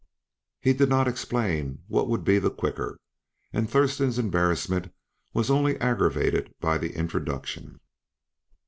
He did not explain what would be the quicker, and Thurston's embarrassment was only aggravated by the introduction.